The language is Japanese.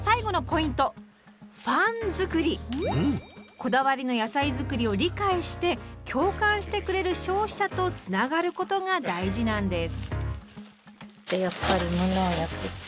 こだわりの野菜作りを理解して共感してくれる消費者とつながることが大事なんです。